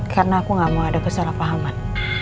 karena aku gak mau ada kesalahpahaman